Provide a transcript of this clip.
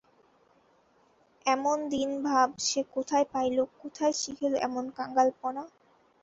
এমন দীনভাব সে কোথায় পাইল, কোথায় শিখিল এমন কাঙালপনা?